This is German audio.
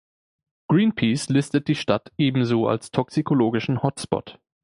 Greenpeace listet die Stadt ebenso als toxikologischen Hotspot.